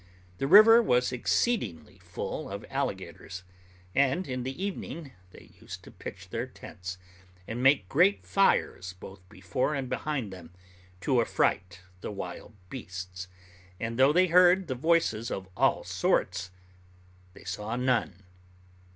The river was exceedingly full of alligators; in the evening they used to pitch their tents, and make great fires both before and behind them, to affright the wild beasts; and though they heard the voices of all sorts, they saw none.